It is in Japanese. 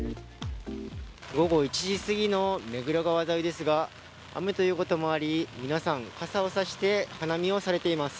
午後１時すぎの目黒川沿いですが雨ということもあり皆さん傘を差して花見をされています。